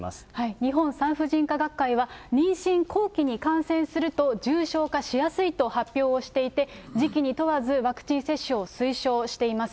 日本産婦人科学会は妊娠後期に感染すると重症化しやすいと発表をしていて、時期に問わずワクチン接種を推奨しています。